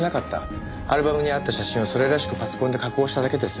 アルバムにあった写真をそれらしくパソコンで加工しただけです。